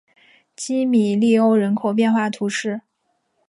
基米利欧人口变化图示